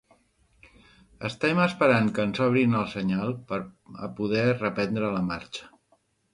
Estem esperant que ens obrin el senyal per a poder reprendre la marxa.